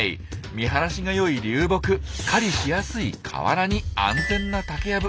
見晴らしがよい流木狩りしやすい河原に安全な竹やぶ。